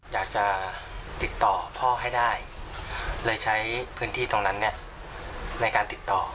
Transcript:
อยากจะติดต่อพ่อให้ได้เลยใช้พื้นที่ตรงนั้นเนี่ยในการติดต่อ